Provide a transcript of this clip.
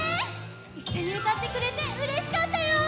いっしょにうたってくれてうれしかったよ！